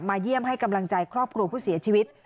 เยี่ยมให้กำลังใจครอบครัวผู้เสียชีวิต